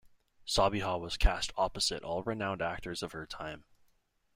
Sabiha was cast opposite all renowned actors of her time.